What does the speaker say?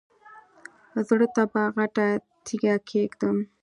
زړه ته به غټه تیګه کېږدم.